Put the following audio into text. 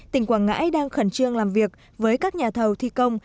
tỉnh quảng ngãi đang khẩn trương làm việc với các nhà thầu thi công